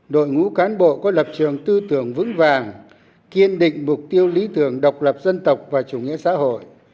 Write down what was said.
đội ngũ cán bộ có lập trường tư tưởng vững vàng kiên định mục tiêu lý tưởng độc lập dân tộc và chủ nghĩa xã hội